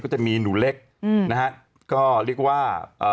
ก็จะมีหนูเล็กนะฮะก็เรียกว่า